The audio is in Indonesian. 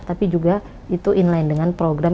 tapi juga itu inline dengan program